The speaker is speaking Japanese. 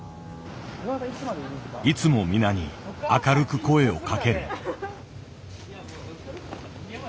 いつも皆に明るく声をかける。